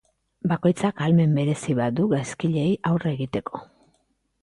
Bakoitzak ahalmen berezi bat du gaizkileei aurre egiteko.